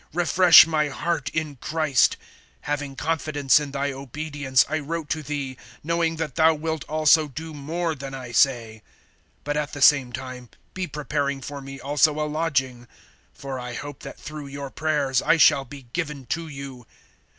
Refresh my heart in Christ. (21)Having confidence in thy obedience I wrote to thee, knowing that thou wilt also do more than I say. (22)But at the same time be preparing for me also a lodging; for I hope that through your prayers I shall be given to you.